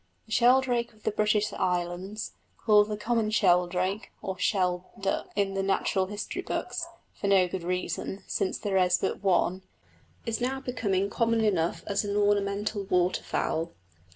The sheldrake of the British Islands, called the common sheldrake (or sheld duck) in the natural history books, for no good reason, since there is but one, is now becoming common enough as an ornamental waterfowl.